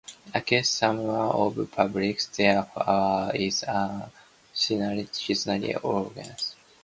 Accusing someone of burglarizing their house is a serious allegation.